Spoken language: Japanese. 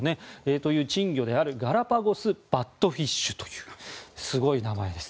という珍魚であるガラパゴスバットフィッシュというすごい名前です。